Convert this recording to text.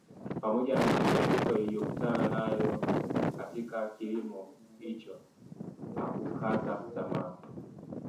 Pamoja na misukosuko aliyokutana nayo katika kilimo hicho hakukata tamaa